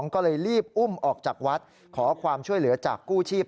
ก็เลยรีบอุ้มออกจากวัดขอความช่วยเหลือจากกู้ชีพ